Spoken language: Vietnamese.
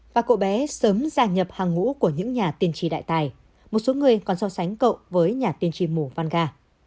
và cậu bé sớm gia nhập hàng ngũ của những nhà tiên tri đại tài một số người còn so sánh cậu với nhà tiên tri mù vanga